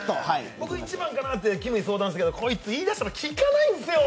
僕１番かなと思ったんですけど、こいつ言い出したら聞かないんですよ。